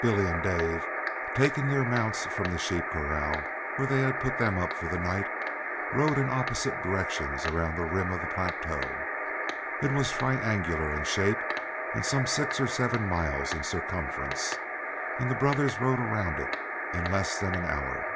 Billy and Dave taking their mounts from the sheep corral, where they had put them up for the night, rode in opposite directions around the rim of the plateau. It was triangular in shape, and some six or seven miles in circumference; and the brothers rode around it in less than an hour.